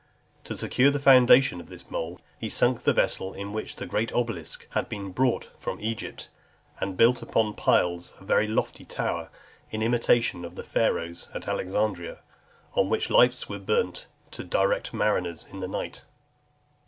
To secure the foundation of this mole, he sunk the vessel in which the great obelisk had been brought from Egypt ; and built upon piles a very lofty tower, in imitation of the Pharos at Alexandria, on which lights were burnt to direct mariners in the night.